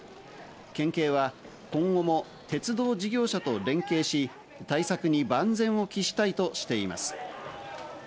県警は今後も鉄道事業者と連携し、対策に万全を期したいとしています。